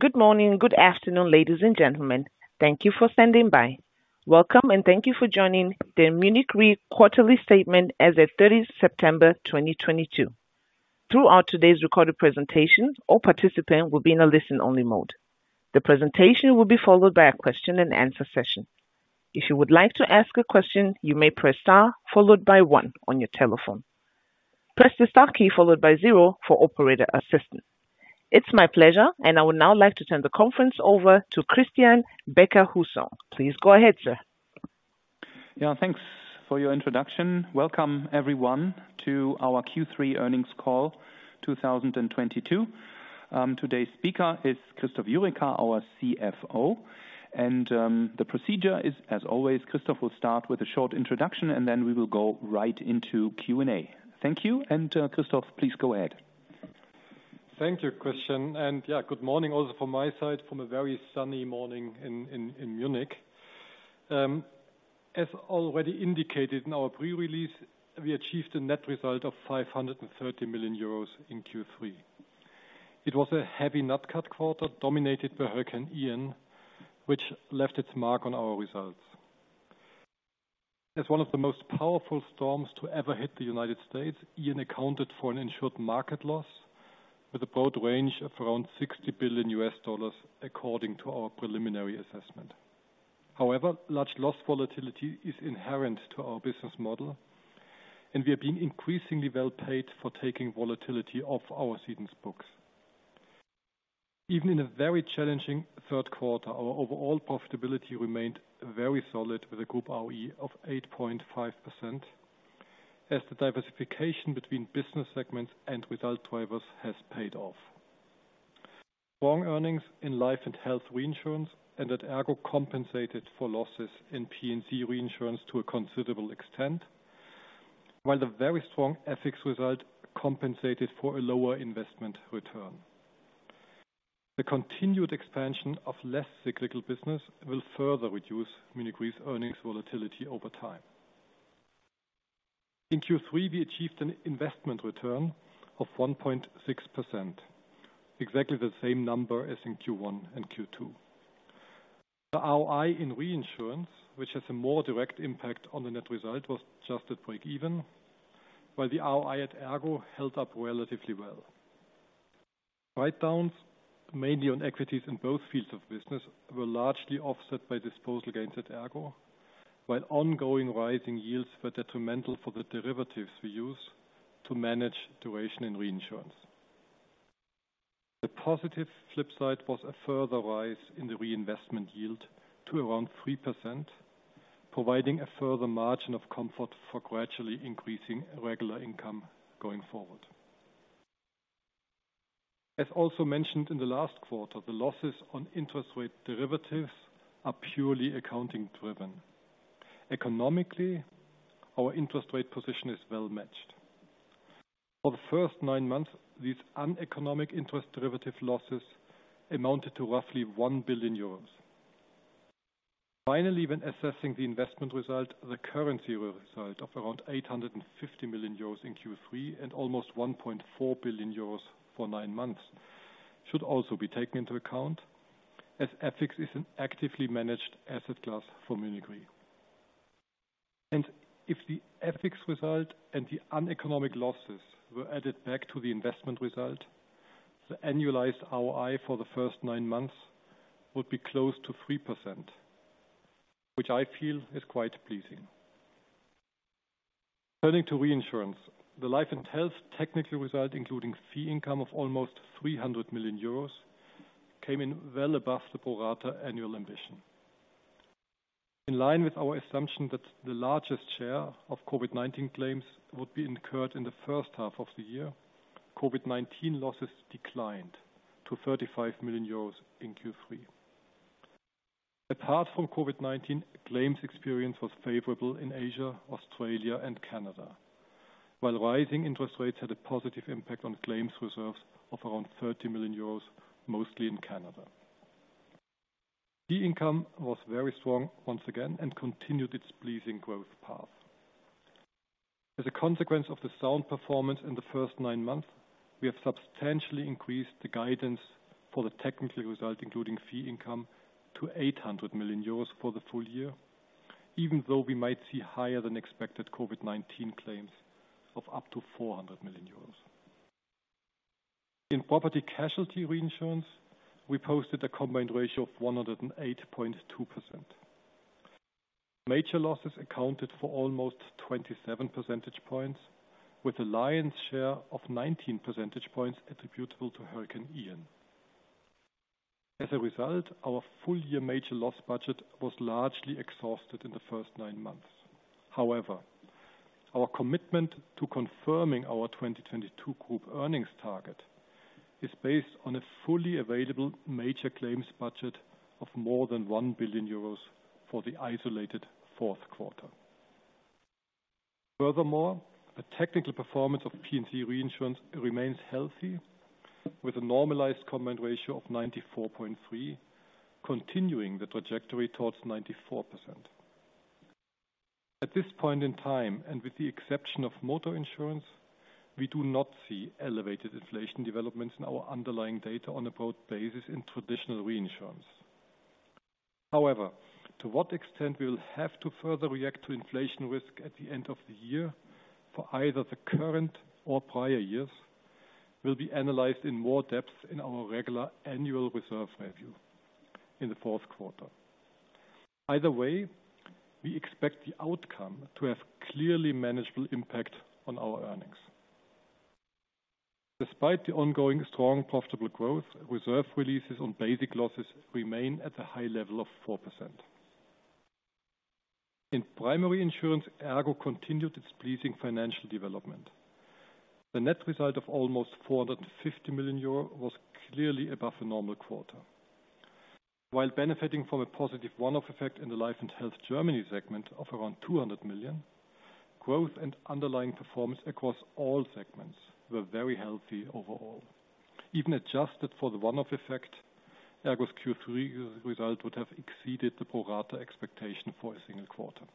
Good morning, good afternoon, ladies and gentlemen. Thank you for standing by. Welcome and thank you for joining the Munich RE quarterly statement as of 30th September 2022. Throughout today's recorded presentation, all participants will be in a listen-only mode. The presentation will be followed by a question and answer session. If you would like to ask a question, you may press star followed by one on your telephone. Press the star key followed by zero for operator assistance. It's my pleasure, and I would now like to turn the conference over to Christian Becker-Hussong. Please go ahead, sir. Yeah, thanks for your introduction. Welcome, everyone, to our Q3 earnings call 2022. Today's speaker is Christoph Jurecka, our CFO. The procedure is, as always, Christoph will start with a short introduction. Then we will go right into Q&A. Thank you, Christoph, please go ahead. Thank you, Christian. Yeah, good morning also from my side, from a very sunny morning in Munich. As already indicated in our pre-release, we achieved a net result of 530 million euros in Q3. It was a heavy nat cat quarter dominated by Hurricane Ian, which left its mark on our results. As one of the most powerful storms to ever hit the United States, Ian accounted for an insured market loss with a broad range of around $60 billion according to our preliminary assessment. However, large loss volatility is inherent to our business model, and we are being increasingly well-paid for taking volatility off our cedents' books. Even in a very challenging third quarter, our overall profitability remained very solid with a group ROE of 8.5%, as the diversification between business segments and result drivers has paid off. Strong earnings in life and health reinsurance and at ERGO compensated for losses in P&C reinsurance to a considerable extent, while the very strong FX result compensated for a lower investment return. The continued expansion of less cyclical business will further reduce Munich RE's earnings volatility over time. In Q3, we achieved an investment return of 1.6%, exactly the same number as in Q1 and Q2. The ROI in reinsurance, which has a more direct impact on the net result, was just at breakeven, while the ROI at ERGO held up relatively well. Write-downs, mainly on equities in both fields of business, were largely offset by disposal gains at ERGO, while ongoing rising yields were detrimental for the derivatives we use to manage duration and reinsurance. The positive flip side was a further rise in the reinvestment yield to around 3%, providing a further margin of comfort for gradually increasing regular income going forward. As also mentioned in the last quarter, the losses on interest rate derivatives are purely accounting-driven. Economically, our interest rate position is well matched. For the first nine months, these uneconomic interest derivative losses amounted to roughly 1 billion euros. Finally, when assessing the investment result, the currency result of around 850 million euros in Q3 and almost 1.4 billion euros for nine months should also be taken into account, as FX is an actively managed asset class for Munich RE. If the FX result and the uneconomic losses were added back to the investment result, the annualized ROI for the first nine months would be close to 3%, which I feel is quite pleasing. Turning to reinsurance, the life and health technical result, including fee income of almost 300 million euros, came in well above the pro rata annual ambition. In line with our assumption that the largest share of COVID-19 claims would be incurred in the first half of the year, COVID-19 losses declined to 35 million euros in Q3. Apart from COVID-19, claims experience was favorable in Asia, Australia, and Canada, while rising interest rates had a positive impact on claims reserves of around 30 million euros, mostly in Canada. The income was very strong once again and continued its pleasing growth path. As a consequence of the sound performance in the first nine months, we have substantially increased the guidance for the technical result, including fee income, to 800 million euros for the full year, even though we might see higher than expected COVID-19 claims of up to 400 million euros. In property casualty reinsurance, we posted a combined ratio of 108.2%. Major losses accounted for almost 27 percentage points, with the lion's share of 19 percentage points attributable to Hurricane Ian. As a result, our full-year major loss budget was largely exhausted in the first nine months. However, our commitment to confirming our 2022 group earnings target is based on a fully available major claims budget of more than 1 billion euros for the isolated fourth quarter. Furthermore, the technical performance of P&C reinsurance remains healthy, with a normalized combined ratio of 94.3%, continuing the trajectory towards 94%. At this point in time, and with the exception of motor insurance, we do not see elevated inflation developments in our underlying data on a broad basis in traditional reinsurance. However, to what extent we will have to further react to inflation risk at the end of the year for either the current or prior years, will be analyzed in more depth in our regular annual reserve review in the fourth quarter. Either way, we expect the outcome to have clearly manageable impact on our earnings. Despite the ongoing strong profitable growth, reserve releases on basic losses remain at a high level of 4%. In primary insurance, ERGO continued its pleasing financial development. The net result of almost 450 million euro was clearly above the normal quarter. While benefiting from a positive one-off effect in the life and health Germany segment of around 200 million, growth and underlying performance across all segments were very healthy overall. Even adjusted for the one-off effect, ERGO's Q3 result would have exceeded the pro rata expectation for a single quarter.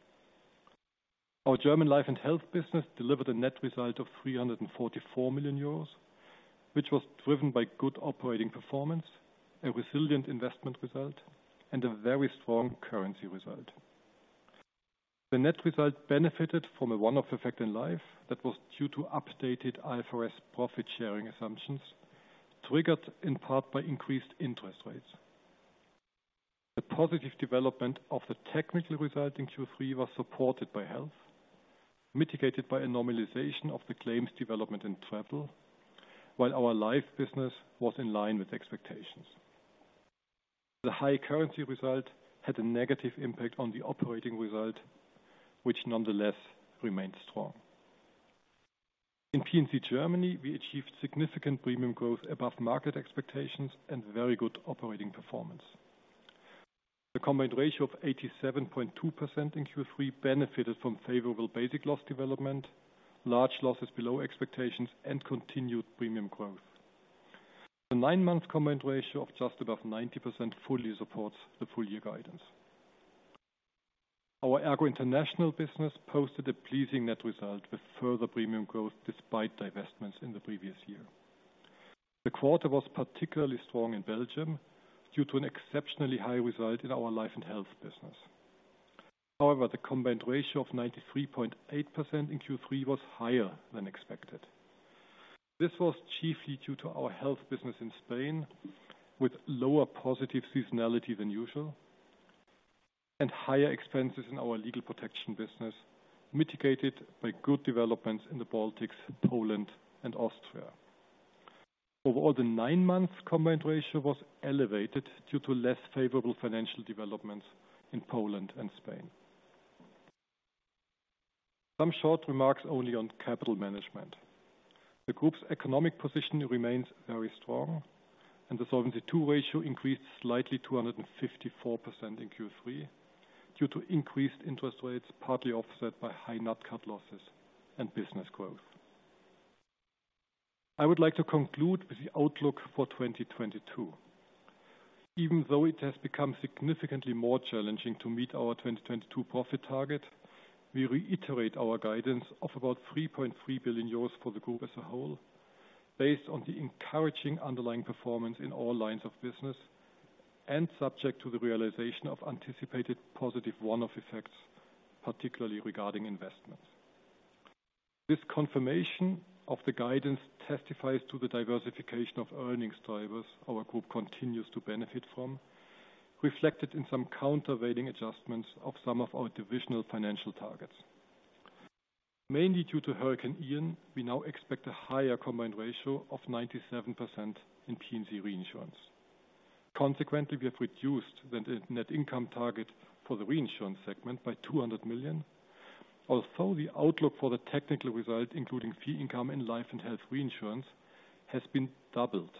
Our German Life & Health business delivered a net result of 344 million euros, which was driven by good operating performance, a resilient investment result, and a very strong currency result. The net result benefited from a one-off effect in Life that was due to updated IFRS profit-sharing assumptions, triggered in part by increased interest rates. The positive development of the technical result in Q3 was supported by Health, mitigated by a normalization of the claims development in Travel, while our Life business was in line with expectations. The high currency result had a negative impact on the operating result, which nonetheless remained strong. In P&C Germany, we achieved significant premium growth above market expectations and very good operating performance. The combined ratio of 87.2% in Q3 benefited from favorable basic loss development, large losses below expectations, and continued premium growth. The nine-month combined ratio of just above 90% fully supports the full year guidance. Our ERGO International business posted a pleasing net result with further premium growth despite divestments in the previous year. The quarter was particularly strong in Belgium due to an exceptionally high result in our life & health business. The combined ratio of 93.8% in Q3 was higher than expected. This was chiefly due to our health business in Spain, with lower positive seasonality than usual, and higher expenses in our legal protection business, mitigated by good developments in the Baltics, Poland, and Austria. Overall, the nine-month combined ratio was elevated due to less favorable financial developments in Poland and Spain. Some short remarks only on capital management. The group's economic position remains very strong, and the Solvency II ratio increased slightly to 154% in Q3 due to increased interest rates, partly offset by high nat cat losses and business growth. I would like to conclude with the outlook for 2022. It has become significantly more challenging to meet our 2022 profit target, we reiterate our guidance of about 3.3 billion euros for the group as a whole, based on the encouraging underlying performance in all lines of business and subject to the realization of anticipated positive one-off effects, particularly regarding investments. This confirmation of the guidance testifies to the diversification of earnings drivers our group continues to benefit from, reflected in some countervailing adjustments of some of our divisional financial targets. Mainly due to Hurricane Ian, we now expect a higher combined ratio of 97% in P&C reinsurance. We have reduced the net income target for the reinsurance segment by 200 million. The outlook for the technical results, including fee income in life and health reinsurance, has been doubled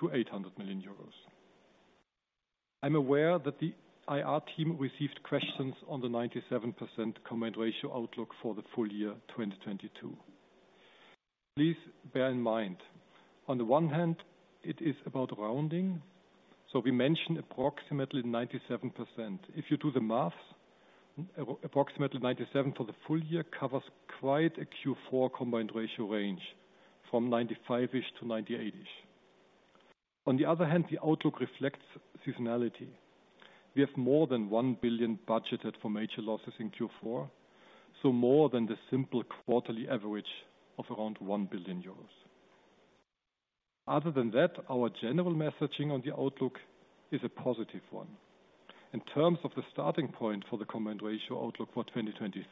to 800 million euros. I'm aware that the IR team received questions on the 97% combined ratio outlook for the full year 2022. Please bear in mind, on the one hand, it is about rounding. We mentioned approximately 97%. If you do the math, approximately 97% for the full year covers quite a Q4 combined ratio range from 95%-ish to 98%-ish. The outlook reflects seasonality. We have more than 1 billion budgeted for major losses in Q4, so more than the simple quarterly average of around 1 billion euros. Other than that, our general messaging on the outlook is a positive one. In terms of the starting point for the combined ratio outlook for 2023,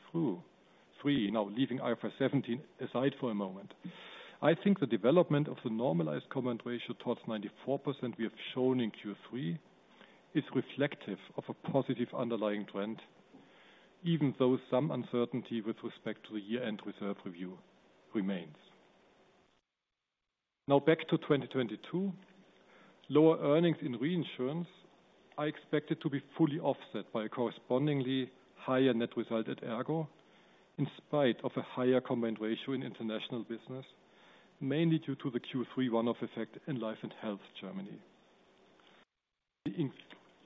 leaving IFRS 17 aside for a moment, I think the development of the normalized combined ratio towards 94% we have shown in Q3 is reflective of a positive underlying trend, even though some uncertainty with respect to the year-end reserve review remains. Back to 2022. Lower earnings in reinsurance are expected to be fully offset by a correspondingly higher net result at ERGO, in spite of a higher combined ratio in international business, mainly due to the Q3 one-off effect in life and health Germany. The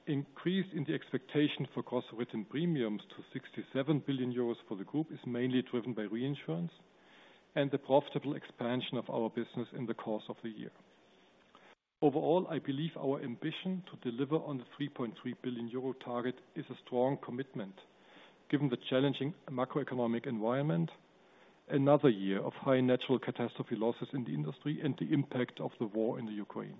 increase in the expectation for gross written premiums to 67 billion euros for the group is mainly driven by reinsurance and the profitable expansion of our business in the course of the year. Overall, I believe our ambition to deliver on the 3.3 billion euro target is a strong commitment given the challenging macroeconomic environment, another year of high natural catastrophe losses in the industry, and the impact of the war in the Ukraine.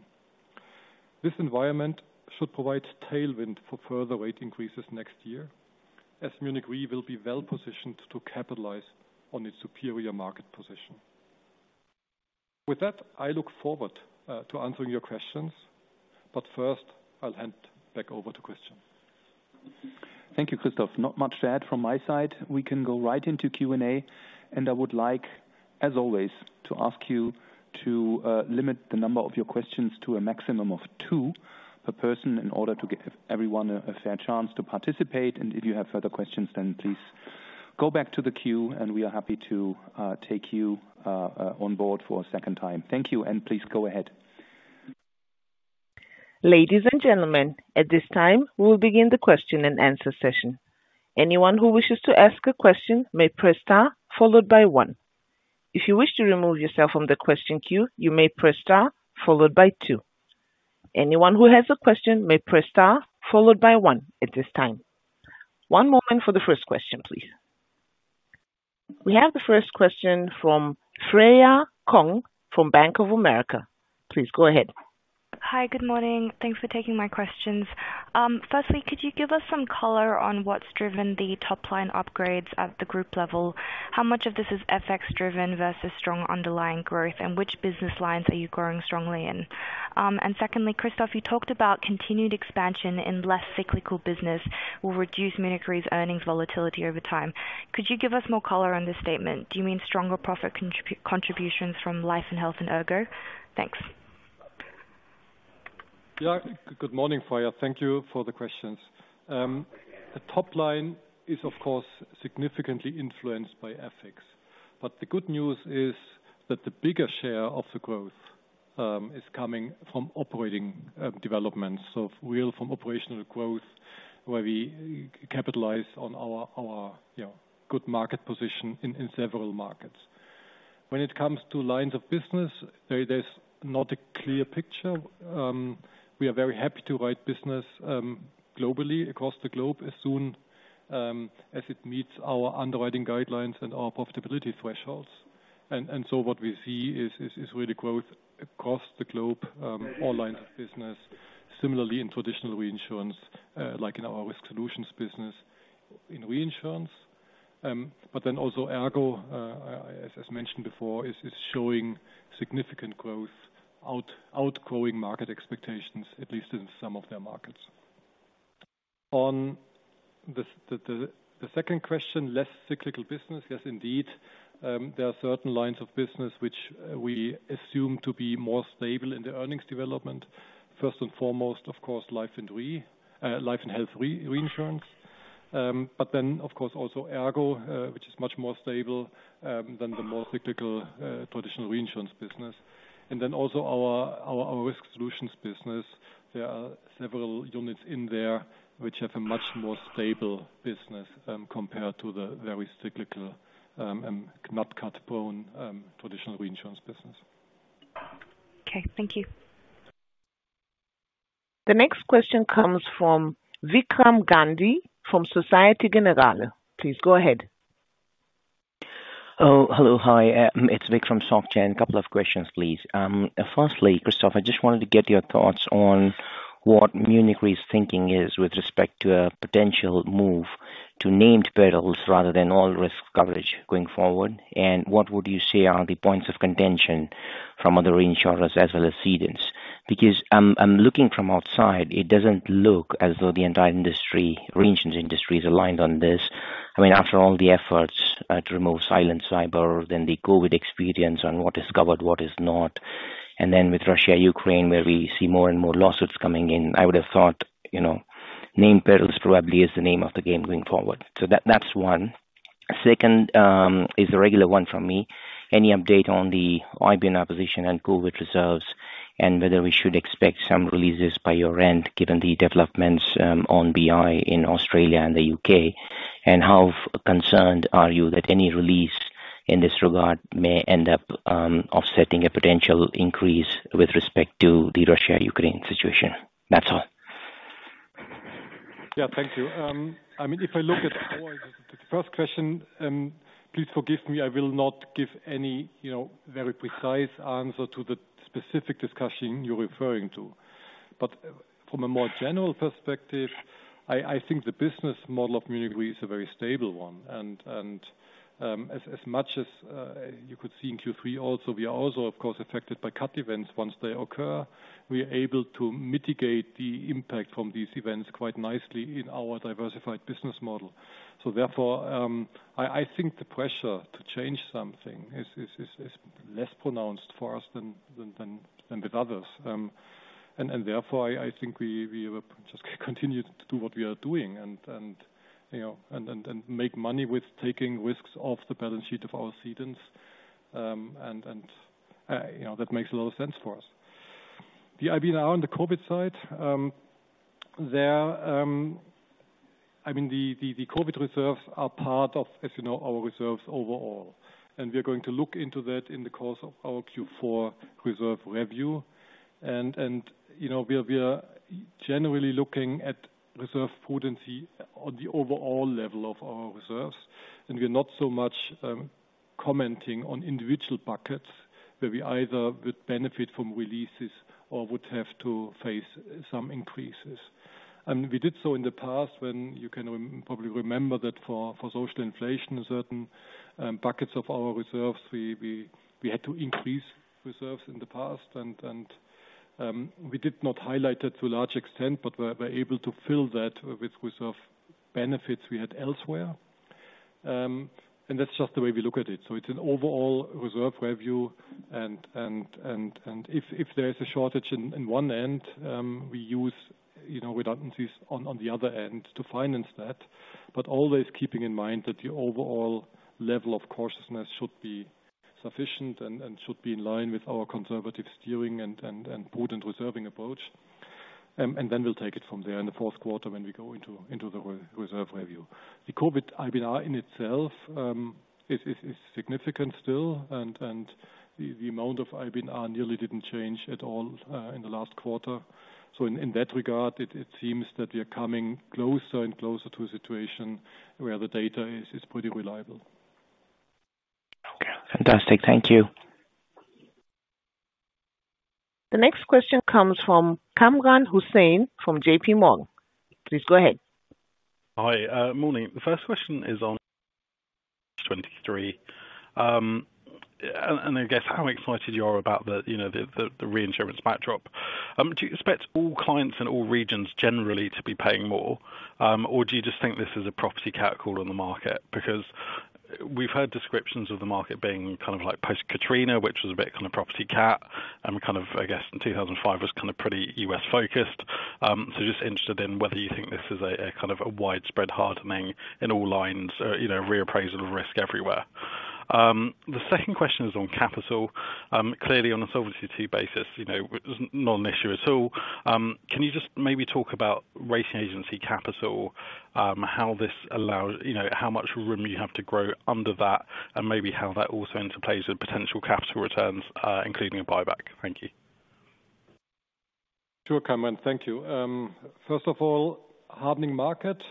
This environment should provide tailwind for further rate increases next year, as Munich RE will be well-positioned to capitalize on its superior market position. With that, I look forward to answering your questions, first, I'll hand back over to Christian. Thank you, Christoph. Not much to add from my side. We can go right into Q&A, I would like, as always, to ask you to limit the number of your questions to a maximum of two per person in order to give everyone a fair chance to participate. If you have further questions, please go back to the queue and we are happy to take you on board for a second time. Thank you, and please go ahead. Ladies and gentlemen, at this time, we'll begin the question and answer session. Anyone who wishes to ask a question may press star, followed by one. If you wish to remove yourself from the question queue, you may press star, followed by two. Anyone who has a question may press star, followed by one at this time. One moment for the first question, please. We have the first question from Freya Kong from Bank of America. Please go ahead. Hi. Good morning. Thanks for taking my questions. Firstly, could you give us some color on what's driven the top-line upgrades at the group level? How much of this is FX-driven versus strong underlying growth, and which business lines are you growing strongly in? Secondly, Christoph, you talked about continued expansion in less cyclical business will reduce Munich RE's earnings volatility over time. Could you give us more color on this statement? Do you mean stronger profit contributions from Life & Health and ERGO? Thanks. Yeah. Good morning, Freya. Thank you for the questions. The top line is, of course, significantly influenced by FX. The good news is that the bigger share of the growth is coming from operating developments. Real from operational growth, where we capitalize on our good market position in several markets. When it comes to lines of business, there's not a clear picture. We are very happy to write business globally, across the globe, as soon as it meets our underwriting guidelines and our profitability thresholds. What we see is really growth across the globe, all lines of business. Similarly, in traditional reinsurance, like in our Risk Solutions business in reinsurance. Also, ERGO, as mentioned before, is showing significant growth, outgrowing market expectations, at least in some of their markets. On the second question, less cyclical business. Yes, indeed. There are certain lines of business which we assume to be more stable in the earnings development. First and foremost, of course, Life & Health reinsurance. Of course, also ERGO, which is much more stable than the more cyclical traditional reinsurance business. Also, our Risk Solutions business. There are several units in there which have a much more stable business, compared to the very cyclical, not cat bond, traditional reinsurance business. Okay. Thank you. The next question comes from Vikram Gandhi from Societe Generale. Please go ahead. Hello. Hi, it's Vik from Soc Gen. Couple of questions, please. Firstly, Christoph, I just wanted to get your thoughts on what Munich RE's thinking is with respect to a potential move to named perils rather than all-risk coverage going forward. What would you say are the points of contention from other reinsurers as well as cedents? I'm looking from outside, it doesn't look as though the entire reinsurance industry is aligned on this. After all the efforts to remove silent cyber, the COVID experience on what is covered, what is not. With Russia, Ukraine, where we see more and more lawsuits coming in. I would have thought, named perils probably is the name of the game going forward. That's one. Second is a regular one from me. Any update on the IBNR position and COVID reserves, and whether we should expect some releases by year-end, given the developments on BI in Australia and the U.K.? How concerned are you that any release in this regard may end up offsetting a potential increase with respect to the Russia-Ukraine situation? That's all. Thank you. If I look at the first question, please forgive me, I will not give any very precise answer to the specific discussion you're referring to. From a more general perspective, I think the business model of Munich RE is a very stable one. As much as you could see in Q3 also, we are also, of course, affected by cat events once they occur. We are able to mitigate the impact from these events quite nicely in our diversified business model. Therefore, I think the pressure to change something is less pronounced for us than with others. Therefore, I think we continue to do what we are doing and make money with taking risks off the balance sheet of our cedents. That makes a lot of sense for us. The IBNR on the COVID side, the COVID reserves are part of, as you know, our reserves overall. We are going to look into that in the course of our Q4 reserve review. We are generally looking at reserve potency on the overall level of our reserves. We are not so much commenting on individual buckets where we either would benefit from releases or would have to face some increases. We did so in the past when, you can probably remember that for social inflation, certain buckets of our reserves, we had to increase reserves in the past. We did not highlight it to a large extent, but we're able to fill that with reserve benefits we had elsewhere. That's just the way we look at it. It's an overall reserve review, and if there is a shortage in one end, we use redundancies on the other end to finance that. Always keeping in mind that the overall level of cautiousness should be sufficient and should be in line with our conservative steering and prudent reserving approach. Then we'll take it from there in the fourth quarter when we go into the reserve review. The COVID IBNR in itself, is significant still. The amount of IBNR nearly didn't change at all in the last quarter. In that regard, it seems that we are coming closer and closer to a situation where the data is pretty reliable. Okay, fantastic. Thank you. The next question comes from Kamran Hossain from JP Morgan. Please go ahead. Hi. Morning. The first question is on 2023. I guess how excited you are about the reinsurance backdrop. Do you expect all clients in all regions generally to be paying more? Do you just think this is a property cat call on the market? We've heard descriptions of the market being kind of like post-Hurricane Katrina, which was a bit kind of property cat, and kind of, I guess in 2005 was kind of pretty U.S.-focused. Just interested in whether you think this is a kind of a widespread hardening in all lines, reappraisal of risk everywhere. The second question is on capital. Clearly, on a Solvency II basis, it was not an issue at all. Can you just maybe talk about rating agency capital, how much room you have to grow under that, and maybe how that also interplays with potential capital returns, including a buyback? Thank you. Sure, Kamran. Thank you. First of all, hardening market.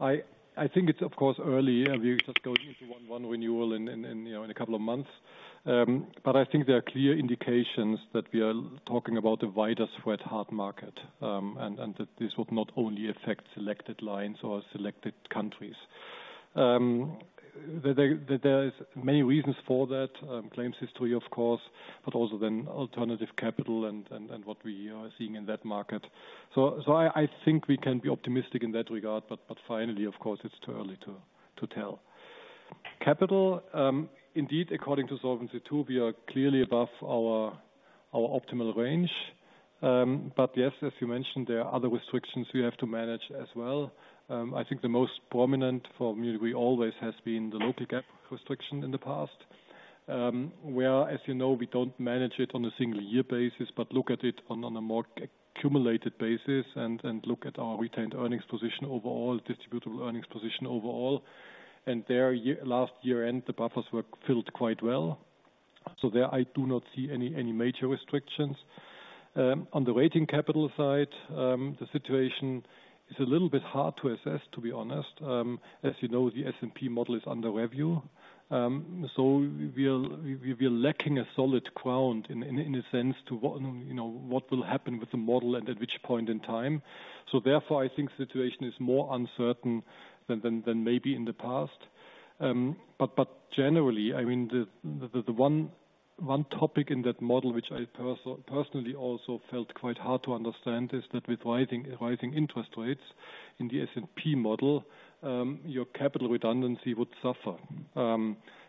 I think it's, of course, early. We're just going into one renewal in a couple of months. I think there are clear indications that we are talking about a wider spread hard market, and that this would not only affect selected lines or selected countries. There is many reasons for that, claims history, of course, but also then alternative capital and what we are seeing in that market. I think we can be optimistic in that regard. Finally, of course, it's too early to tell. Capital, indeed, according to Solvency II, we are clearly above our optimal range. Yes, as you mentioned, there are other restrictions we have to manage as well. I think the most prominent for Munich RE always has been the local GAAP restriction in the past, where, as you know, we don't manage it on a single-year basis, but look at it on a more accumulated basis and look at our retained earnings position overall, distributable earnings position overall. There, last year-end, the buffers were filled quite well. There, I do not see any major restrictions. On the rating capital side, the situation is a little bit hard to assess, to be honest. As you know, the S&P model is under review. We are lacking a solid ground, in a sense, to what will happen with the model and at which point in time. Therefore, I think the situation is more uncertain than maybe in the past. Generally, the one topic in that model, which I personally also felt quite hard to understand, is that with rising interest rates in the S&P model, your capital redundancy would suffer,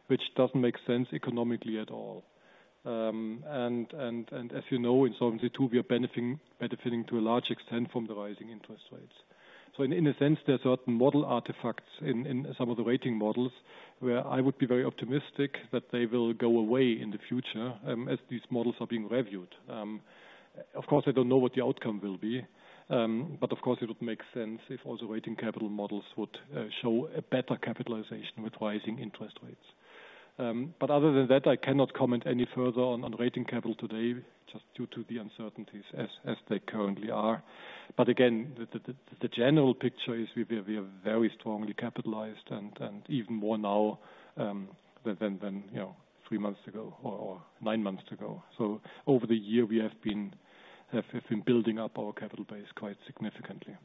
which doesn't make sense economically at all. As you know, in Solvency II, we are benefiting to a large extent from the rising interest rates. In a sense, there are certain model artifacts in some of the rating models, where I would be very optimistic that they will go away in the future as these models are being reviewed. Of course, I don't know what the outcome will be. Of course, it would make sense if also rating capital models would show a better capitalization with rising interest rates. Other than that, I cannot comment any further on rating capital today, just due to the uncertainties as they currently are. Again, the general picture is we are very strongly capitalized, and even more now than three months ago or nine months ago. Over the year, we have been building up our capital base quite significantly.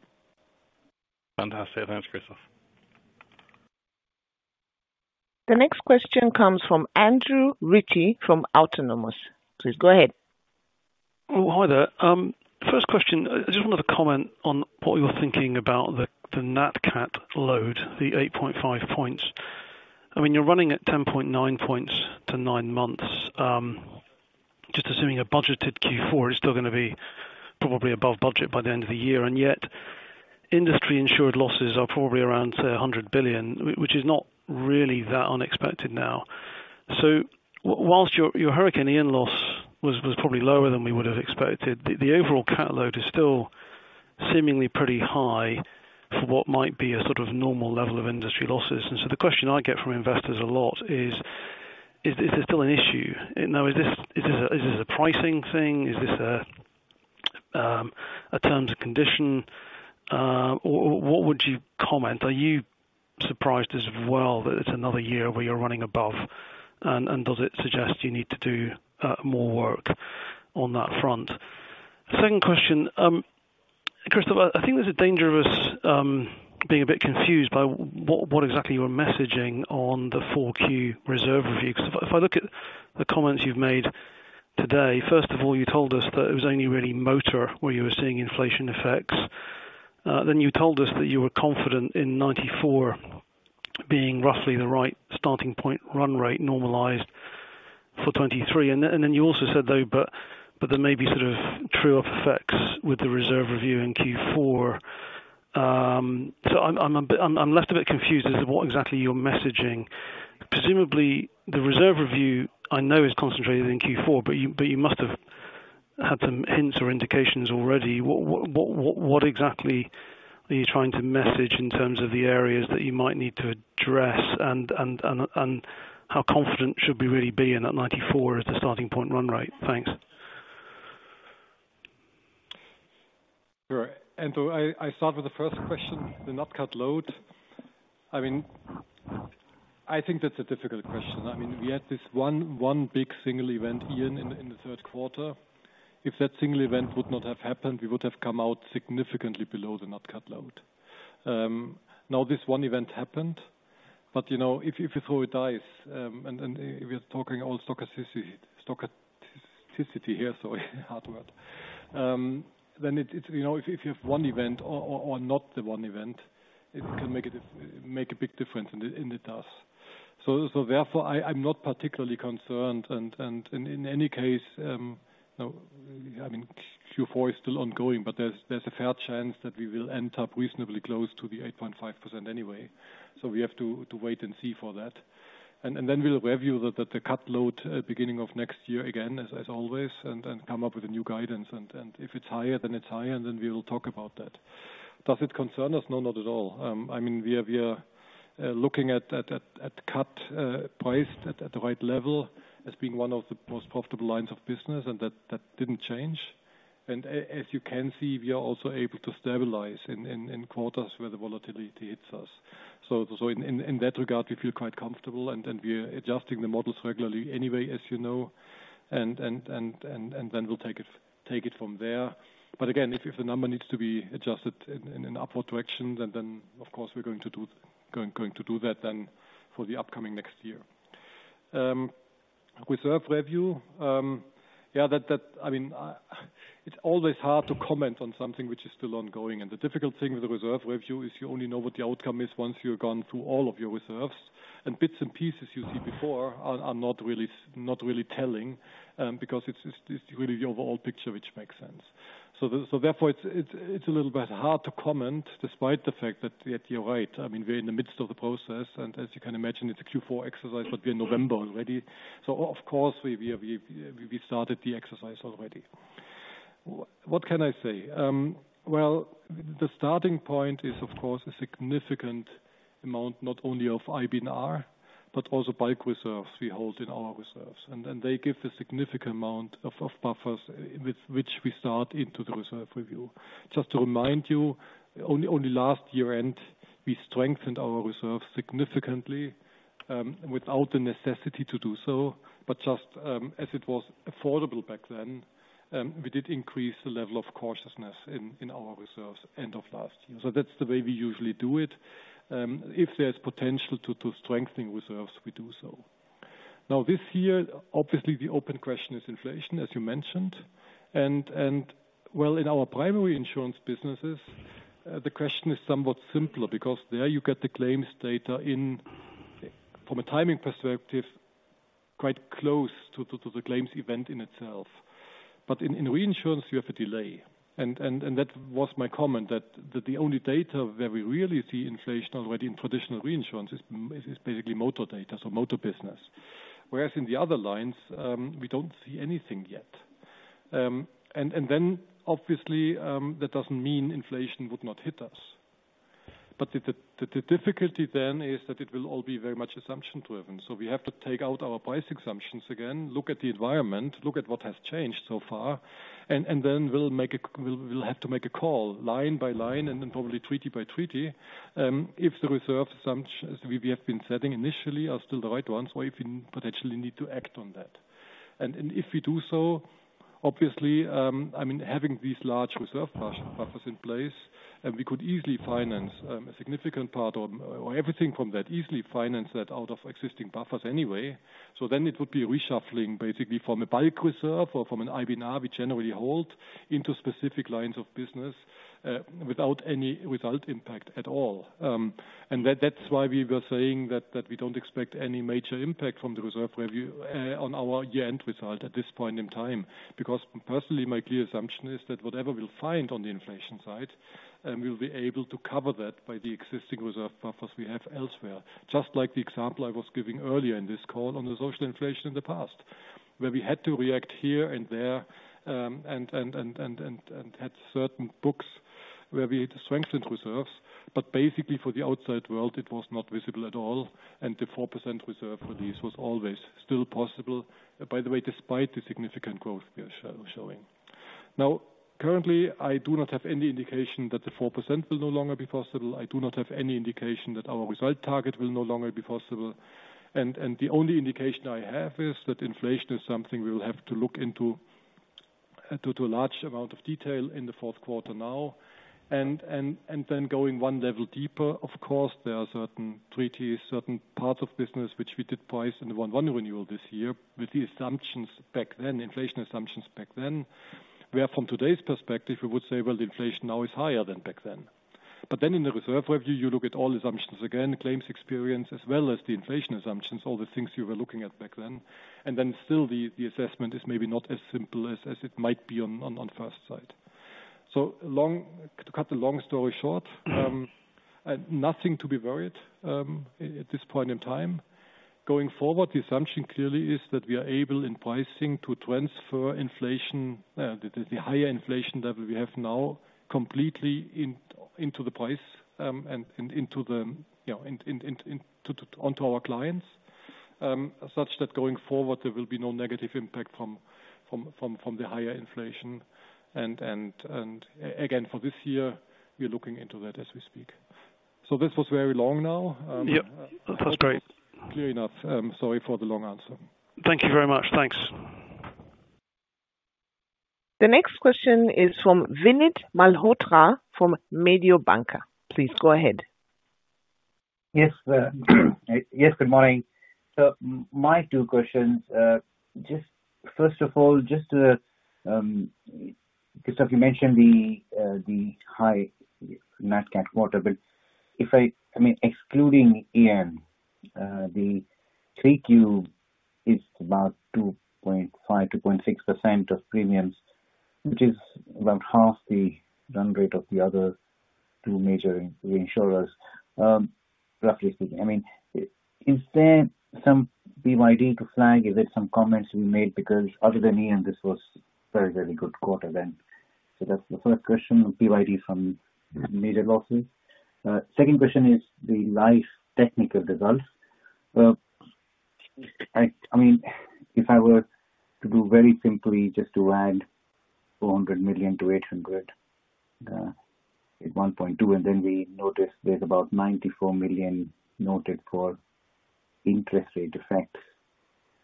Fantastic. Thanks, Christoph. The next question comes from Andrew Ritchie from Autonomous. Please go ahead. Oh, hi there. First question, I just wonder a comment on what you were thinking about the nat cat load, the 8.5 points. You're running at 10.9 points to nine months. Just assuming a budgeted Q4 is still going to be probably above budget by the end of the year, yet industry insured losses are probably around, say, 100 billion, which is not really that unexpected now. Whilst your Hurricane Ian loss was probably lower than we would have expected, the overall cat load is still seemingly pretty high for what might be a sort of normal level of industry losses. The question I get from investors a lot is: Is this still an issue? Now, is this a pricing thing? Is this a terms and condition? What would you comment? Are you surprised as well that it's another year where you're running above, and does it suggest you need to do more work on that front? Second question. Christoph, I think there's a danger of us being a bit confused by what exactly you were messaging on the Q4 reserve review. Because if I look at the comments you've made today, first of all, you told us that it was only really motor where you were seeing inflation effects. You told us that you were confident in 94% being roughly the right starting point run rate normalized for 2023. You also said, though, but there may be sort of true effects with the reserve review in Q4. I'm left a bit confused as to what exactly you're messaging. Presumably, the reserve review, I know, is concentrated in Q4, but you must have had some hints or indications already. What exactly are you trying to message in terms of the areas that you might need to address, and how confident should we really be in that 94% as the starting point run rate? Thanks. Sure. I start with the first question, the nat cat load. I think that's a difficult question. We had this one big single event, Ian, in the third quarter. If that single event would not have happened, we would have come out significantly below the nat cat load. Now, this one event happened, but if you throw a dice, and we are talking all stochasticity here, sorry, hard word. If you have one event or not the one event, it can make a big difference, and it does. Therefore, I'm not particularly concerned. In any case, Q4 is still ongoing, but there's a fair chance that we will end up reasonably close to the 8.5% anyway. We have to wait and see for that. We'll review the cat load beginning of next year, again, as always, and come up with a new guidance. If it's higher, then it's higher, and we will talk about that. Does it concern us? No, not at all. We are looking at cat priced at the right level as being one of the most profitable lines of business, and that didn't change. As you can see, we are also able to stabilize in quarters where the volatility hits us. In that regard, we feel quite comfortable, and we are adjusting the models regularly anyway, as you know, and we'll take it from there. Again, if the number needs to be adjusted in an upward direction, then, of course, we're going to do that then for the upcoming next year. Reserve review. It's always hard to comment on something which is still ongoing. The difficult thing with the reserve review is you only know what the outcome is once you've gone through all of your reserves. Bits and pieces you see before are not really telling, because it's really the overall picture which makes sense. Therefore, it's a little bit hard to comment, despite the fact that, you're right, we're in the midst of the process, and as you can imagine, it's a Q4 exercise, but we're in November already. Of course, we started the exercise already. What can I say? Well, the starting point is, of course, a significant amount, not only of IBNR, but also bulk reserves we hold in our reserves. They give a significant amount of buffers with which we start into the reserve review. Just to remind you, only last year-end, we strengthened our reserves significantly, without the necessity to do so. Just as it was affordable back then, we did increase the level of cautiousness in our reserves end of last year. That's the way we usually do it. If there's potential to strengthening reserves, we do so. This year, obviously, the open question is inflation, as you mentioned. Well, in our primary insurance businesses, the question is somewhat simpler, because there you get the claims data in, from a timing perspective, quite close to the claims event in itself. In reinsurance, you have a delay. That was my comment, that the only data where we really see inflation already in traditional reinsurance is basically motor data, so motor business. Whereas in the other lines, we don't see anything yet. Obviously, that doesn't mean inflation would not hit us. The difficulty then is that it will all be very much assumption-driven. We have to take out our price assumptions again, look at the environment, look at what has changed so far, and then we'll have to make a call line by line, and then probably treaty by treaty, if the reserve assumptions we have been setting initially are still the right ones, or if we potentially need to act on that. If we do so, obviously, having these large reserve buffers in place, and we could easily finance a significant part or everything from that, easily finance that out of existing buffers anyway. It would be reshuffling basically from a bulk reserve or from an IBNR, we generally hold into specific lines of business, without any result impact at all. That's why we were saying that we don't expect any major impact from the reserve review on our year-end result at this point in time. Personally, my clear assumption is that whatever we'll find on the inflation side, we'll be able to cover that by the existing reserve buffers we have elsewhere. Just like the example I was giving earlier in this call on the social inflation in the past, where we had to react here and there, and had certain books where we had to strengthen reserves. Basically, for the outside world, it was not visible at all, and the 4% reserve release was always still possible. By the way, despite the significant growth we are showing. Currently, I do not have any indication that the 4% will no longer be possible. I do not have any indication that our result target will no longer be possible. The only indication I have is that inflation is something we'll have to look into to a large amount of detail in the fourth quarter now. Going 1 level deeper, of course, there are certain treaties, certain parts of business, which we did price in 1 renewal this year with the assumptions back then, inflation assumptions back then. Where from today's perspective, we would say, well, the inflation now is higher than back then. In the reserve review, you look at all assumptions again, claims experience as well as the inflation assumptions, all the things you were looking at back then. Still the assessment is maybe not as simple as it might be on first sight. To cut a long story short, nothing to be worried at this point in time. Going forward, the assumption clearly is that we are able, in pricing, to transfer inflation, the higher inflation level we have now, completely into the price, onto our clients, such that going forward, there will be no negative impact from the higher inflation. Again, for this year, we are looking into that as we speak. This was very long now. Yep. That's great. Hopefully clear enough. Sorry for the long answer. Thank you very much. Thanks. The next question is from Vinit Malhotra from Mediobanca. Please go ahead. Yes, good morning. My two questions, first of all, just to, because you mentioned the high nat cat quarter, but if I, excluding Ian, the 3Q is about 2.5%-2.6% of premiums, which is about half the run rate of the other two major reinsurers, roughly speaking. Instead, some PYD to flag, is there some comments we made because other than Ian, this was very good quarter then. That's the first question, PYD from major losses. Second question is the life technical results. If I were to do very simply just to add 400 million to 800 million at 1.2 billion, we notice there's about 94 million noted for interest rate effects.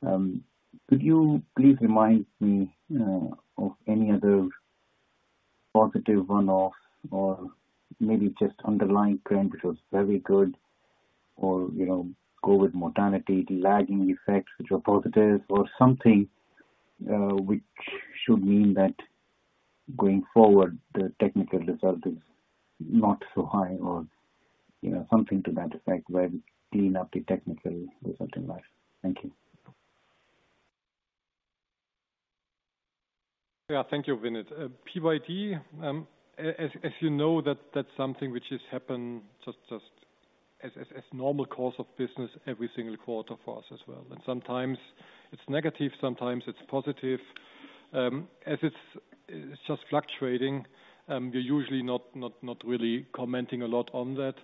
Could you please remind me of any other positive one-off or maybe just underlying trend which was very good or COVID mortality lagging effects which are positive or something which should mean that going forward, the technical result is not so high or something to that effect where clean up the technical result in life. Thank you. Thank you, Vinit. PYD, as you know that's something which has happened just as normal course of business every single quarter for us as well. Sometimes it's negative, sometimes it's positive. As it's just fluctuating, we're usually not really commenting a lot on that.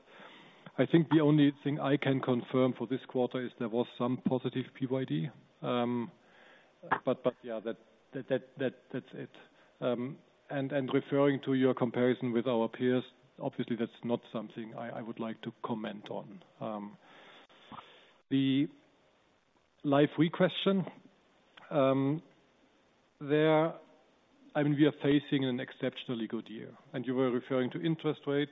I think the only thing I can confirm for this quarter is there was some positive PYD. That's it. Referring to your comparison with our peers, obviously that's not something I would like to comment on. The life RE question. We are facing an exceptionally good year, and you were referring to interest rate.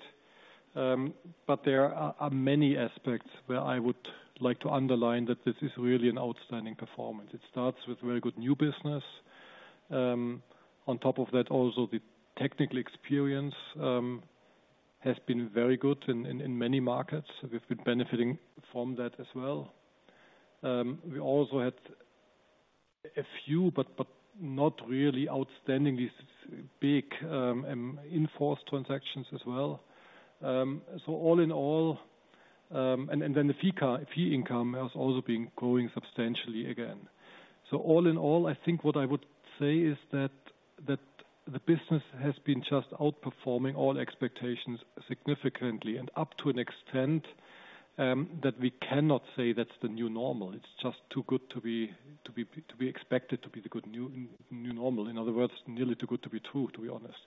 There are many aspects where I would like to underline that this is really an outstanding performance. It starts with very good new business. On top of that, also the technical experience has been very good in many markets. We've been benefiting from that as well. We also had a few, but not really outstanding, these big in-force transactions as well. Then the fee income has also been growing substantially again. All in all, I think what I would say is that the business has been just outperforming all expectations significantly and up to an extent, that we cannot say that's the new normal. It's just too good to be expected to be the new normal. In other words, nearly too good to be true, to be honest.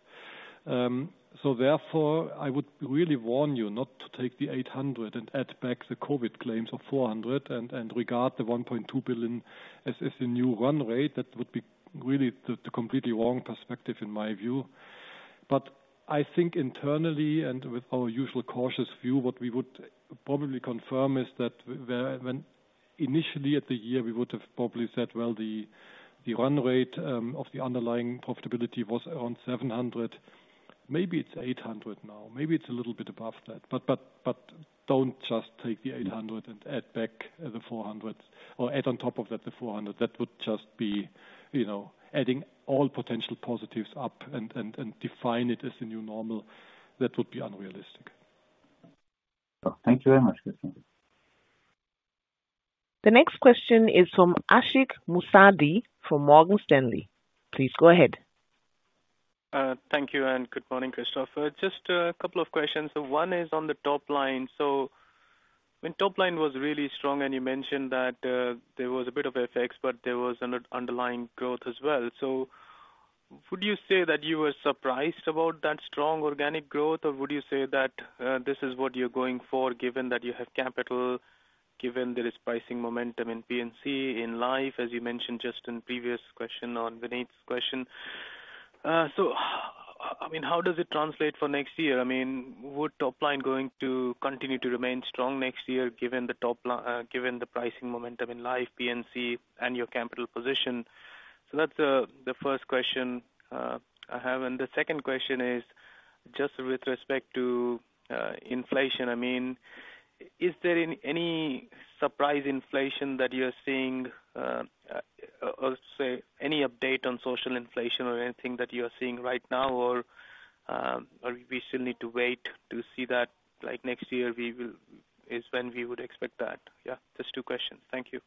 Therefore, I would really warn you not to take the 800 and add back the COVID claims of 400 and regard the 1.2 billion as the new run rate. That would be really the completely wrong perspective in my view. I think internally and with our usual cautious view, what we would probably confirm is that when initially at the year, we would have probably said, well, the run rate of the underlying profitability was around 700. Maybe it's 800 now. Maybe it's a little bit above that. Don't just take the 800 and add back the 400 or add on top of that the 400. That would just be adding all potential positives up and define it as a new normal. That would be unrealistic. Thank you very much, Christoph. The next question is from Ashik Musaddi from Morgan Stanley. Please go ahead. Thank you. Good morning, Christoph. Just a couple of questions. One is on the top line. When top line was really strong, and you mentioned that there was a bit of FX, but there was underlying growth as well. Would you say that you were surprised about that strong organic growth, or would you say that this is what you're going for, given that you have capital, given there is pricing momentum in P&C, in Life, as you mentioned just in previous question on Vinit's question. How does it translate for next year? Would top line going to continue to remain strong next year, given the pricing momentum in Life, P&C, and your capital position? That's the first question I have. The second question is just with respect to inflation. Is there any surprise inflation that you're seeing, or say, any update on social inflation or anything that you are seeing right now, or we still need to wait to see that next year is when we would expect that? Just two questions. Thank you.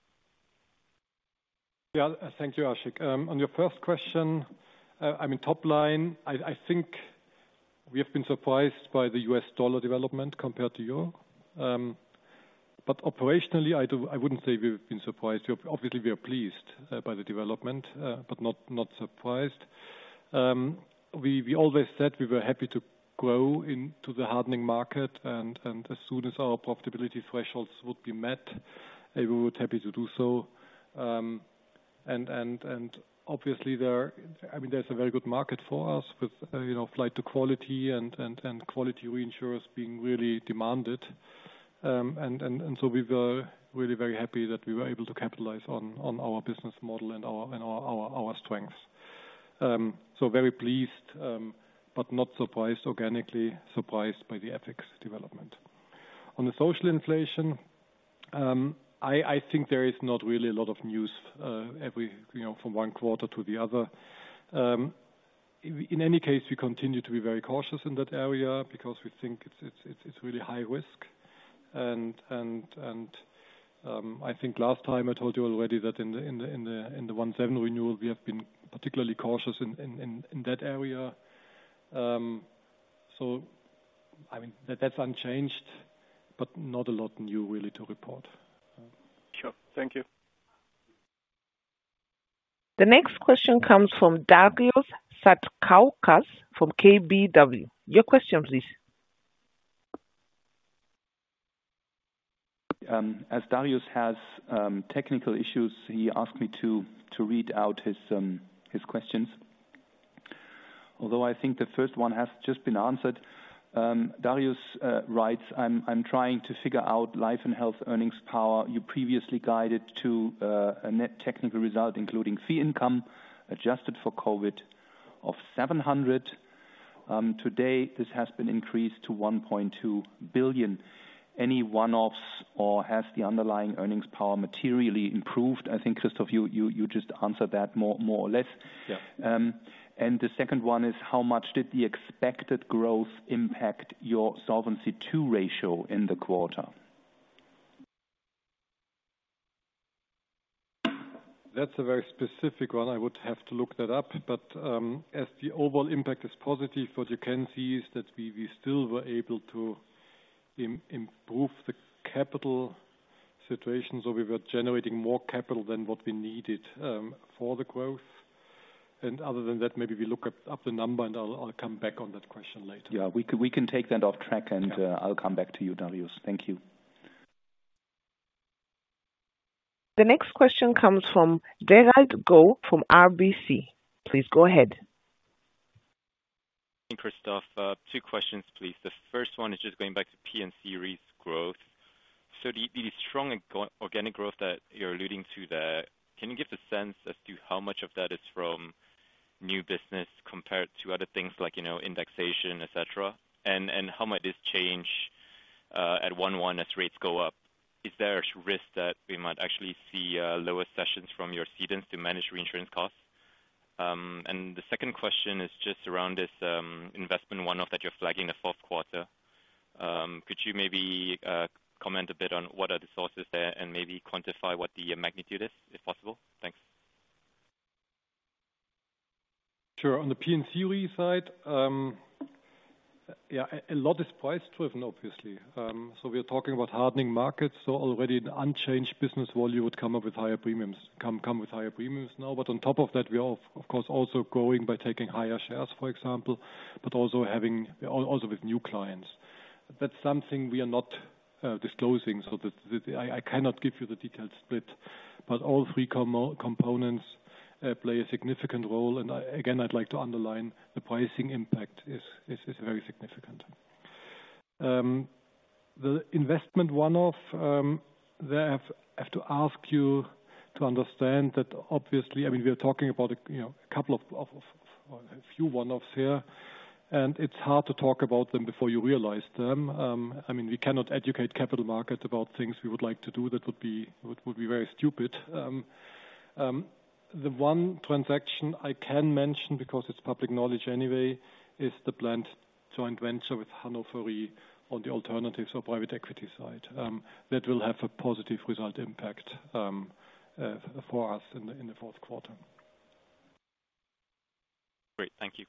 Yeah. Thank you, Ashik. On your first question, top line, I think we have been surprised by the U.S. dollar development compared to euro. Operationally, I wouldn't say we've been surprised. Obviously, we are pleased by the development, but not surprised. We always said we were happy to grow into the hardening market, as soon as our profitability thresholds would be met, we would happy to do so. Obviously, there's a very good market for us with flight to quality and quality reinsurers being really demanded. We were really very happy that we were able to capitalize on our business model and our strengths. Very pleased, but not surprised organically, surprised by the FX development. On the social inflation, I think there is not really a lot of news from one quarter to the other. In any case, we continue to be very cautious in that area because we think it's really high risk. I think last time I told you already that in the 1/7 renewal, we have been particularly cautious in that area. That's unchanged, but not a lot new really to report. Sure. Thank you. The next question comes from Darius Satkauskas from KBW. Your question, please. As Darius has technical issues, he asked me to read out his questions. I think the first one has just been answered. Darius writes, "I'm trying to figure out Life and Health earnings power. You previously guided to a net technical result, including fee income adjusted for COVID of 700. Today, this has been increased to 1.2 billion. Any one-offs or has the underlying earnings power materially improved?" I think, Christoph, you just answered that more or less. Yeah. The second one is, how much did the expected growth impact your Solvency II ratio in the quarter? That's a very specific one. I would have to look that up. As the overall impact is positive, what you can see is that we still were able to improve the capital situation. We were generating more capital than what we needed for the growth. Other than that, maybe we look up the number and I'll come back on that question later. Yeah, we can take that off track, and I'll come back to you, Darius. Thank you. The next question comes from Derald Goh from RBC. Please go ahead. Christoph, two questions, please. The first one is just going back to P&C Re's growth. The strong organic growth that you're alluding to there, can you give the sense as to how much of that is from new business compared to other things like indexation, et cetera? How might this change at 1/1 as rates go up? Is there a risk that we might actually see lower sessions from your cedents to manage reinsurance costs? The second question is just around this investment one-off that you're flagging the fourth quarter. Could you maybe comment a bit on what are the sources there and maybe quantify what the magnitude is, if possible? Thanks. Sure. On the P&C Re side- Yeah. A lot is price-driven, obviously. We are talking about hardening markets. Already the unchanged business volume would come up with higher premiums, come with higher premiums now. On top of that, we are of course also growing by taking higher shares, for example, but also with new clients. That's something we are not disclosing. I cannot give you the detailed split, but all three components play a significant role. Again, I'd like to underline the pricing impact is very significant. The investment one-off, I have to ask you to understand that obviously, we are talking about a few one-offs here, and it's hard to talk about them before you realize them. We cannot educate capital markets about things we would like to do. That would be very stupid. The one transaction I can mention, because it's public knowledge anyway, is the planned joint venture with Hannover on the alternatives or private equity side. That will have a positive result impact for us in the fourth quarter. Great. Thank you.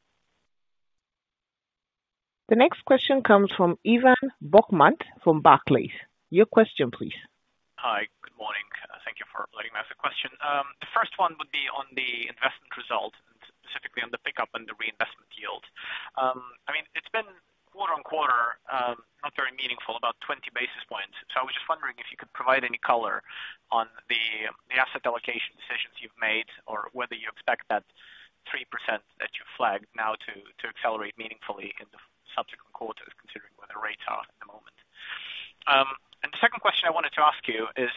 The next question comes from Ivan Bokhmat from Barclays. Your question, please. Hi. Good morning. Thank you for letting me ask a question. The first one would be on the investment result, and specifically on the pickup and the reinvestment yield. It's been quarter-on-quarter, not very meaningful, about 20 basis points. I was just wondering if you could provide any color on the asset allocation decisions you've made or whether you expect that 3% that you flagged now to accelerate meaningfully in the subsequent quarters, considering where the rates are at the moment. The second question I wanted to ask you is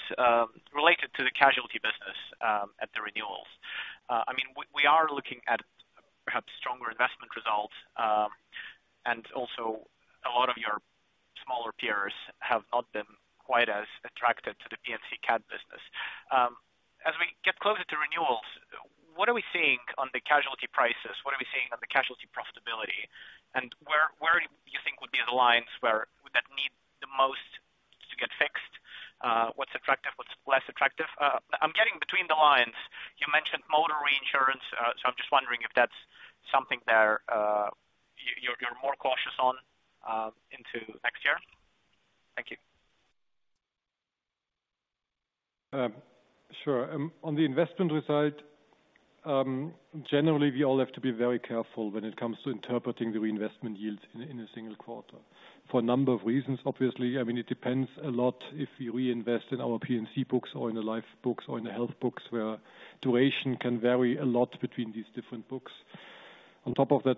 related to the casualty business at the renewals. We are looking at perhaps stronger investment results, and also a lot of your smaller peers have not been quite as attracted to the P&C cat business. As we get closer to renewals, what are we seeing on the casualty prices? What are we seeing on the casualty profitability, and where do you think would be the lines where would that need the most to get fixed? What's attractive? What's less attractive? I'm getting between the lines. You mentioned motor reinsurance. I'm just wondering if that's something that you're more cautious on into next year. Thank you. Sure. On the investment result, generally, we all have to be very careful when it comes to interpreting the reinvestment yields in a single quarter. For a number of reasons, obviously, it depends a lot if we reinvest in our P&C books or in the life books or in the health books, where duration can vary a lot between these different books. On top of that,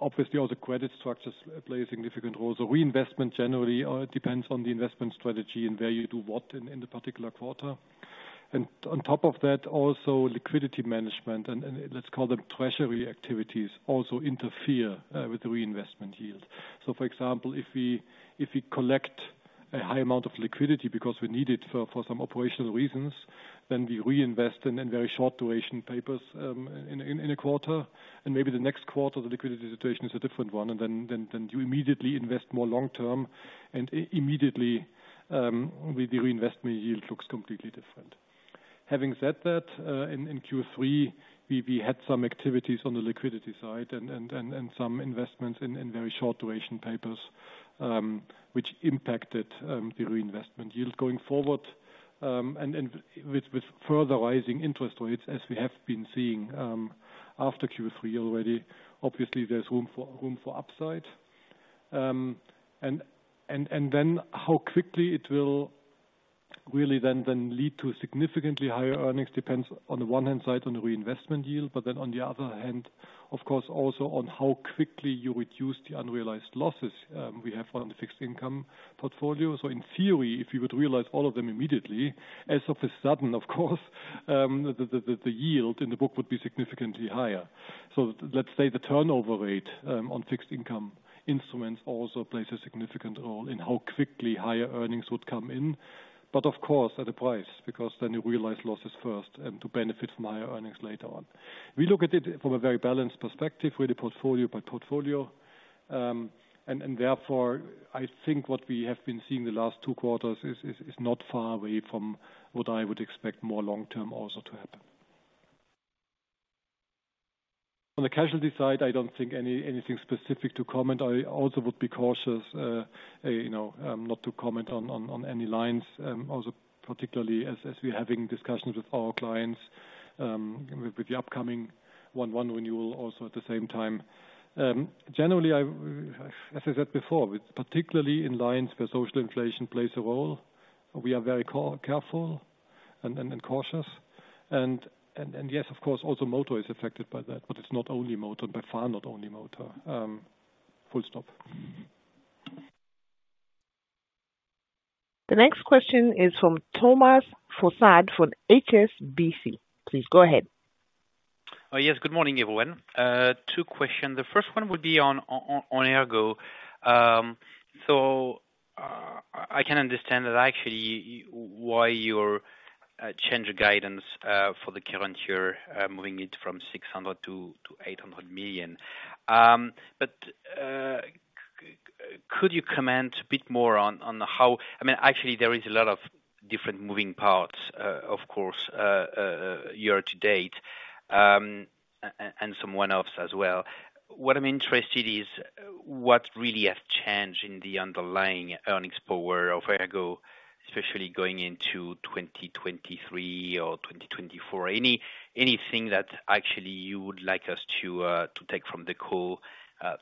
obviously, all the credit structures play a significant role. Reinvestment generally depends on the investment strategy and where you do what in the particular quarter. On top of that, also liquidity management, and let's call them treasury activities, also interfere with the reinvestment yield. For example, if we collect a high amount of liquidity because we need it for some operational reasons, then we reinvest in very short-duration papers in a quarter, and maybe the next quarter, the liquidity situation is a different one. You immediately invest more long-term, and immediately, the reinvestment yield looks completely different. Having said that, in Q3, we had some activities on the liquidity side and some investments in very short-duration papers, which impacted the reinvestment yield going forward. With further rising interest rates, as we have been seeing after Q3 already, obviously, there's room for upside. How quickly it will really then lead to significantly higher earnings depends on the one hand side on the reinvestment yield, but then on the other hand, of course, also on how quickly you reduce the unrealized losses we have on the fixed income portfolio. In theory, if you would realize all of them immediately, as of a sudden, of course, the yield in the book would be significantly higher. Let's say the turnover rate on fixed income instruments also plays a significant role in how quickly higher earnings would come in. Of course, at a price, because then you realize losses first and to benefit from higher earnings later on. We look at it from a very balanced perspective, really portfolio by portfolio. Therefore, I think what we have been seeing the last two quarters is not far away from what I would expect more long-term also to happen. On the casualty side, I don't think anything specific to comment. I also would be cautious not to comment on any lines. Particularly as we're having discussions with our clients, with the upcoming one renewal also at the same time. Generally, as I said before, particularly in lines where social inflation plays a role, we are very careful and cautious. Yes, of course, also motor is affected by that, but it's not only motor, by far not only motor. Full stop. The next question is from Thomas Fossard from HSBC. Please go ahead. Yes. Good morning, everyone. Two questions. The first one would be on ERGO. I can understand that actually why your change of guidance for the current year, moving it from 600 million to 800 million. Could you comment a bit more on how, actually there is a lot of different moving parts, of course, year to date, and some one-offs as well. What I'm interested is what really has changed in the underlying earnings power of ERGO, especially going into 2023 or 2024. Anything that actually you would like us to take from the call,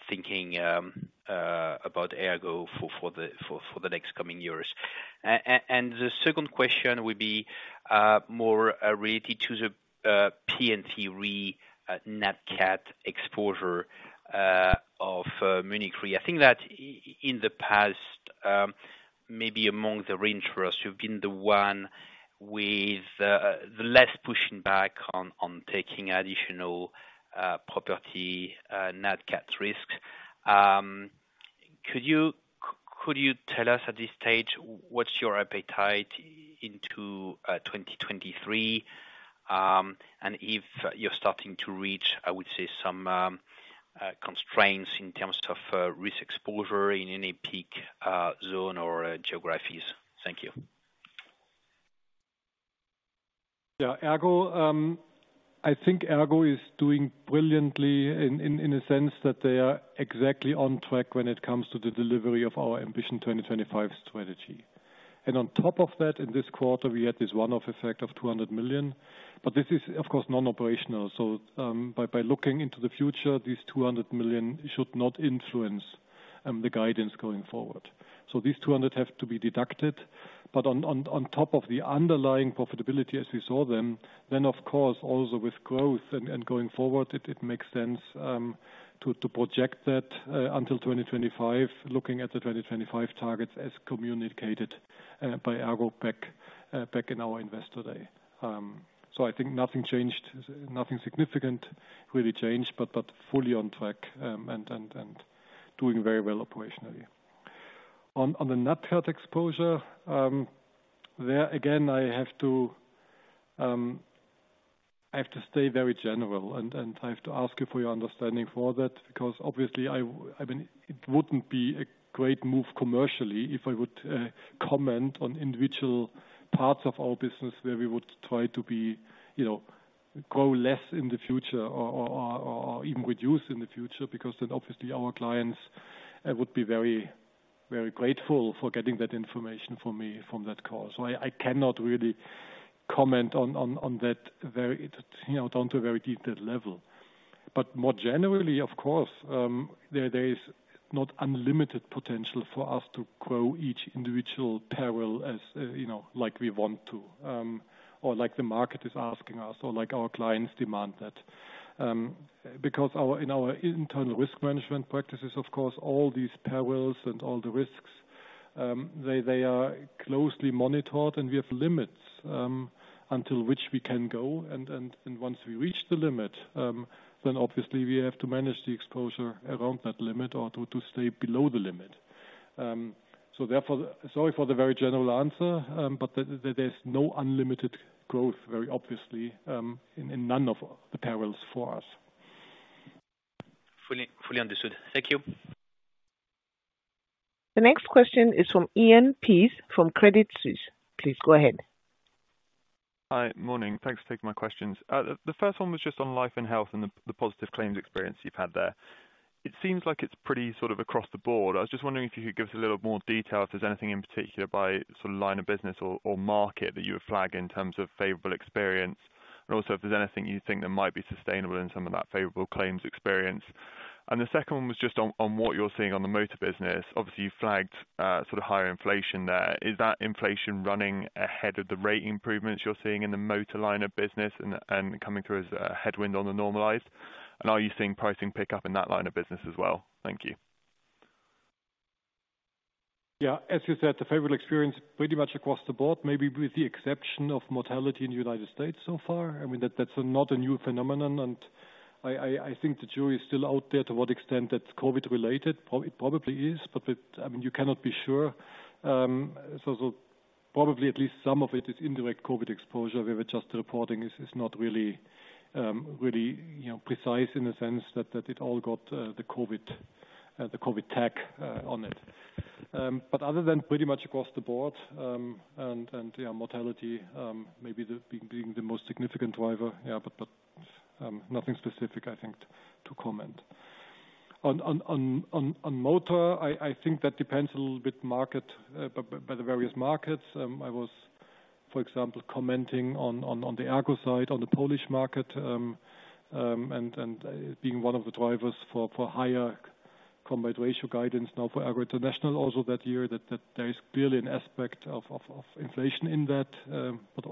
thinking about ERGO for the next coming years. The second question will be more related to the P&C Re Nat cat exposure of Munich RE. I think that in the past, maybe among the reinsurers, you've been the one with the less pushing back on taking additional property Nat cat risk. Could you tell us at this stage, what's your appetite into 2023? If you're starting to reach, I would say, some constraints in terms of risk exposure in any peak zone or geographies. Thank you. I think ERGO is doing brilliantly in a sense that they are exactly on track when it comes to the delivery of our Ambition 2025 strategy. On top of that, in this quarter, we had this one-off effect of 200 million. This is, of course, non-operational. By looking into the future, this 200 million should not influence the guidance going forward. These 200 have to be deducted. On top of the underlying profitability as we saw them, then of course, also with growth and going forward, it makes sense to project that until 2025, looking at the 2025 targets as communicated by ERGO back in our investor day. I think nothing significant really changed, but fully on track, and doing very well operationally. On the Nat cat exposure, there again, I have to stay very general. I have to ask you for your understanding for that. Obviously, it wouldn't be a great move commercially if I would comment on individual parts of our business where we would try to grow less in the future or even reduce in the future, then obviously our clients would be very grateful for getting that information from me from that call. I cannot really comment on that down to a very detailed level. More generally, of course, there is not unlimited potential for us to grow each individual peril as like we want to, or like the market is asking us, or like our clients demand that. In our internal risk management practices, of course, all these perils and all the risks, they are closely monitored and we have limits, until which we can go, and once we reach the limit, then obviously we have to manage the exposure around that limit or to stay below the limit. Therefore, sorry for the very general answer. There's no unlimited growth, very obviously, in none of the perils for us. Fully understood. Thank you. The next question is from Iain Pearce from Credit Suisse. Please go ahead. Hi. Morning. Thanks for taking my questions. The first one was just on life and health and the positive claims experience you've had there. It seems like it's pretty sort of across the board. I was just wondering if you could give us a little more detail, if there's anything in particular by line of business or market that you would flag in terms of favorable experience. Also if there's anything you think that might be sustainable in some of that favorable claims experience. The second one was just on what you're seeing on the motor business. Obviously, you flagged higher inflation there. Is that inflation running ahead of the rate improvements you're seeing in the motor line of business and coming through as a headwind on the normalized? Are you seeing pricing pick up in that line of business as well? Thank you. Yeah. As you said, the favorable experience pretty much across the board, maybe with the exception of mortality in the U.S. so far. That's not a new phenomenon. I think the jury is still out there to what extent that's COVID related. It probably is. You cannot be sure. Probably at least some of it is indirect COVID exposure. We were just reporting. It's not really precise in the sense that it all got the COVID tag on it. Other than pretty much across the board, mortality maybe being the most significant driver. Nothing specific, I think, to comment. On motor, I think that depends a little bit by the various markets. I was, for example, commenting on the ERGO side, on the Polish market, and being one of the drivers for higher combined ratio guidance now for ERGO International also that year, that there is clearly an aspect of inflation in that.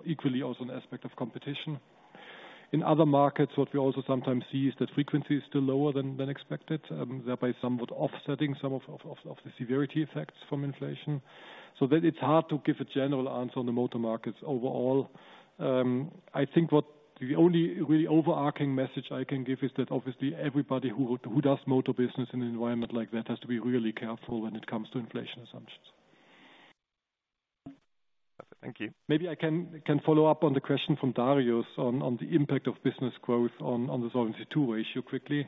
Equally also an aspect of competition. In other markets, what we also sometimes see is that frequency is still lower than expected, thereby somewhat offsetting some of the severity effects from inflation. That it's hard to give a general answer on the motor markets overall. I think what the only really overarching message I can give is that obviously everybody who does motor business in an environment like that has to be really careful when it comes to inflation assumptions. Thank you. Maybe I can follow up on the question from Derald on the impact of business growth on the Solvency II ratio quickly.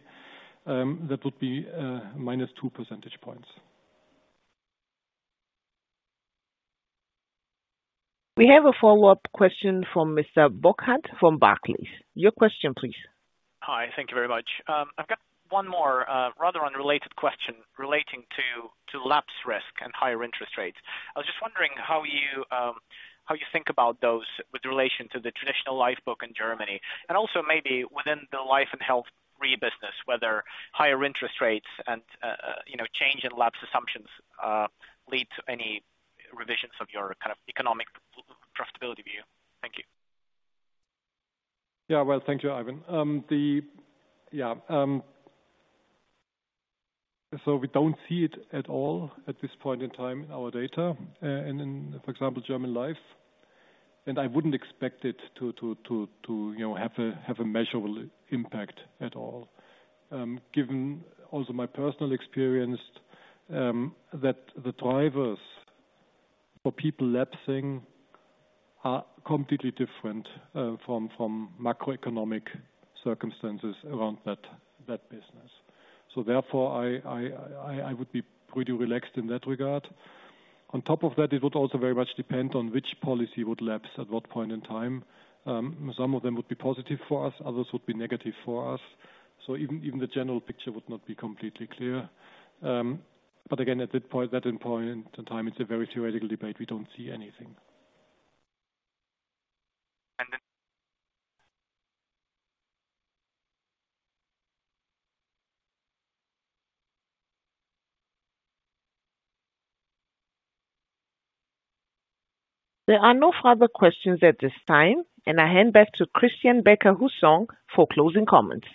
That would be minus two percentage points. We have a follow-up question from Mr. Bokhmat from Barclays. Your question, please. Hi. Thank you very much. I've got one more rather unrelated question relating to lapse risk and higher interest rates. I was just wondering how you think about those with relation to the traditional life book in Germany, and also maybe within the life and health RE business, whether higher interest rates and change in lapse assumptions lead to any revisions of your economic profitability view. Thank you. Yeah. Well, thank you, Ivan. We don't see it at all at this point in time in our data, in, for example, German Life. I wouldn't expect it to have a measurable impact at all, given also my personal experience, that the drivers for people lapsing are completely different from macroeconomic circumstances around that business. Therefore, I would be pretty relaxed in that regard. On top of that, it would also very much depend on which policy would lapse at what point in time. Some of them would be positive for us, others would be negative for us. Even the general picture would not be completely clear. Again, at that point in time, it's a very theoretical debate. We don't see anything. And then- There are no further questions at this time, and I hand back to Christian Becker-Hussong for closing comments.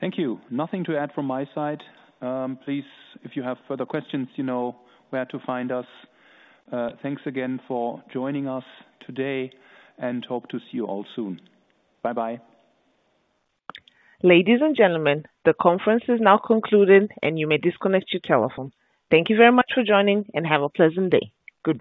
Thank you. Nothing to add from my side. Please, if you have further questions, you know where to find us. Thanks again for joining us today and hope to see you all soon. Bye-bye. Ladies and gentlemen, the conference is now concluded and you may disconnect your telephone. Thank you very much for joining and have a pleasant day. Goodbye.